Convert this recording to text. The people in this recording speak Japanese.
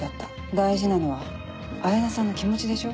大事なのは彩菜さんの気持ちでしょ？